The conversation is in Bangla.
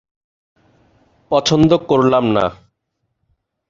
পছন্দ করলাম না।